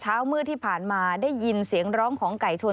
เมื่อที่ผ่านมาได้ยินเสียงร้องของไก่ชน